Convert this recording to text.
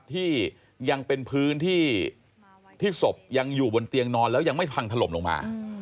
ที่ยังเป็นพื้นที่ที่ศพยังอยู่บนเตียงนอนแล้วยังไม่พังถล่มลงมา